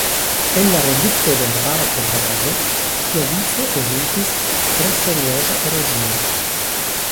El la redukto de arbara kovraĵo siavice rezultis tre serioza erozio.